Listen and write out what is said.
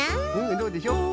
どうでしょう？